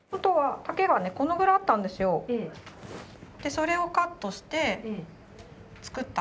それをカットして作った。